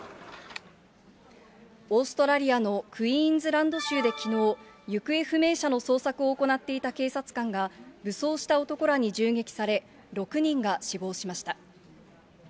オーストラリアのクイーンズランド州できのう、行方不明者の捜索を行っていた警察官が、武装した男らに銃撃され、６人が死亡しました。